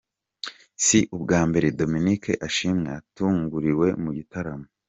Si ubwa mbere Dominic Ashimwe atunguriwe mu gitaramo.